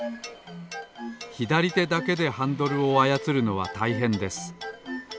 ひだりてだけでハンドルをあやつるのはたいへんです。